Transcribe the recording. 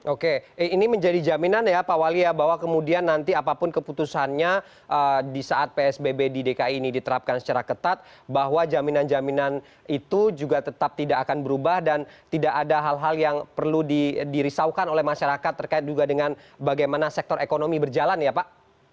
oke ini menjadi jaminan ya pak wali ya bahwa kemudian nanti apapun keputusannya di saat psbb di dki ini diterapkan secara ketat bahwa jaminan jaminan itu juga tetap tidak akan berubah dan tidak ada hal hal yang perlu dirisaukan oleh masyarakat terkait juga dengan bagaimana sektor ekonomi berjalan ya pak